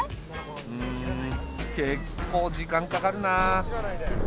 うん結構時間かかるな。